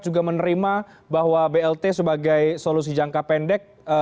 juga menerima bahwa blt sebagai solusi jangka pendek